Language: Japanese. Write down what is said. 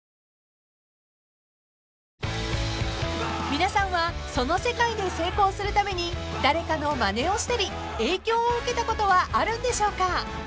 ［皆さんはその世界で成功するために誰かのまねをしたり影響を受けたことはあるんでしょうか？］